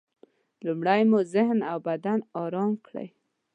لومړی مو ذهن او بدن ارام کړئ.